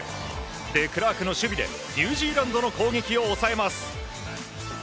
デクラークの守備でニュージーランドの攻撃を抑えます。